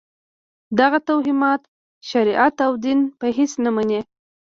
دغه توهمات شریعت او دین په هېڅ نه مني.